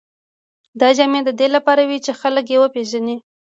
دا جامې د دې لپاره وې چې خلک یې وپېژني.